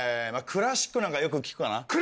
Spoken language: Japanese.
まぁクラシックなんかよく聴くかな。